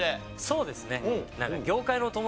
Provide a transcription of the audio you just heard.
そうですね。